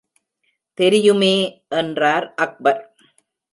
தெரியுமே என்றார் அக்பர்.